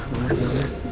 semuanya selamat ma